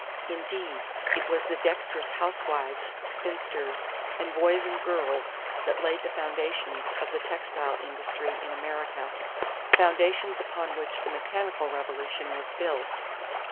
Indeed it was the dexterous housewives, spinsters, and boys and girls that laid the foundations of the textile industry in America, foundations upon which the mechanical revolution was built.